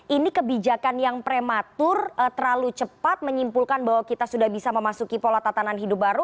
ini kebijakan yang prematur terlalu cepat menyimpulkan bahwa kita sudah bisa memasuki pola tatanan hidup baru